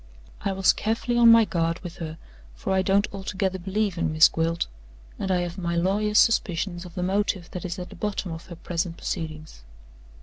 I was carefully on my guard with her; for I don't altogether believe in Miss Gwilt, and I have my lawyer's suspicions of the motive that is at the bottom of her present proceedings.